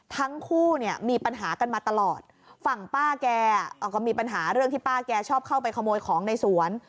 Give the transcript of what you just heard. ทั้งคู่เนี่ยมีปัญหากันมาตลอดฝั่งป้าแกก็มีปัญหาเรื่องที่ป้าแกชอบเข้าไปขโมยของในสวน